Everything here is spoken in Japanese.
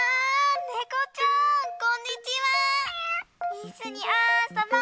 いっしょにあそぼ！